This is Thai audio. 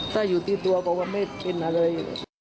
ถ้าอยู่ที่ตัวบอกว่าไม่เป็นอะไร